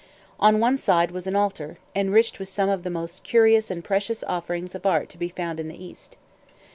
On one side was an altar, enriched with some of the most curious and precious offerings of art to be found in the East.